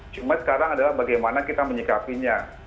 cuma sekarang adalah bagaimana kita menyikapinya